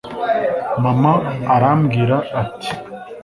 Mama arambwira ati